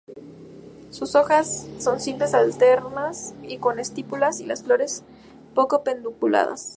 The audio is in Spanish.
Sus hojas son simples, alternas, y con estípulas, y las flores poco pedunculadas.